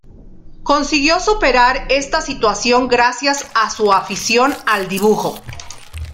Consiguió superar esta situación gracias a su afición al dibujo.